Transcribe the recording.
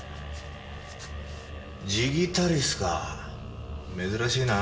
ジギタリスか珍しいな。